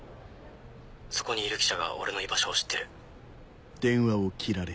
そこにいる記者が俺の居場所を知ってる。